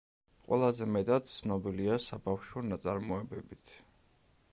ყველაზე მეტად ცნობილია საბავშვო ნაწარმოებებით.